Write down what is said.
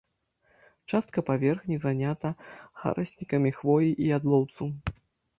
Частка паверхні занята зараснікамі хвоі і ядлоўцу.